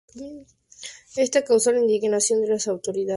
Esto causo la indignación de las autoridades republicanas afines a los Carrera.